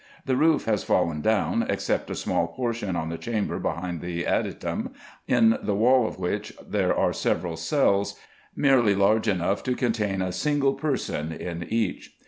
The roof has fallen down, except a small portion on the chamber behind the adytum, in the wall of which there are several cells, merely large enough to contain a single person in each.